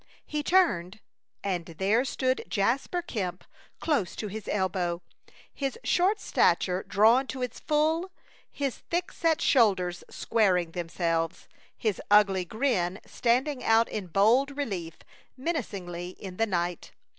He turned, and there stood Jasper Kemp close to his elbow, his short stature drawn to its full, his thick set shoulders squaring themselves, his ugly grin standing out in bold relief, menacingly, in the night.